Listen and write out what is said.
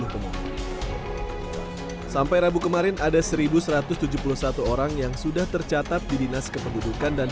terima kasih sampai rabu kemarin ada seribu satu ratus tujuh puluh satu orang yang sudah tercatat di dinas kependudukan dan